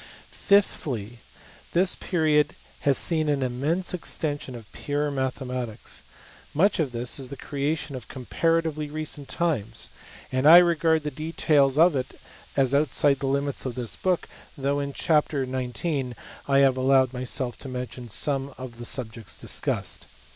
Fifthly, this period has seen an immense extension of pure mathematics. Much of this is the creation of comparatively recent times, and I regard the details of it as outside the limits of this book though in chapter xix. I have allowed myself to mention some of the subjects discussed.